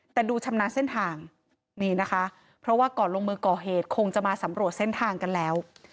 แต่ดูชำนาญเส้นทางนี่นะคะเพราะว่าก่อนลงมือก่อเหตุคงจะมาสำรวจเส้นทางกันแล้ว